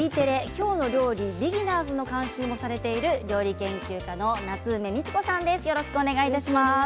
「きょうの料理ビギナーズ」の監修もされている料理研究家の夏梅美智子さんです。